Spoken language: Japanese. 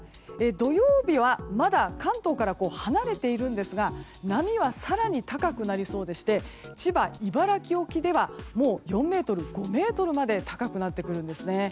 土曜日はまだ関東から離れているんですが波は更に高くなりそうでして千葉、茨城沖ではもう４ｍ、５ｍまで高くなってくるんですね。